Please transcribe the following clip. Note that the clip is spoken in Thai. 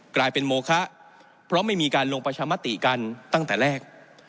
กลายเป็นโมคะเพราะไม่มีการลงประชามติกันตั้งแต่แรก